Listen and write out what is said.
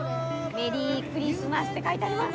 メリークリスマスって書いてあります。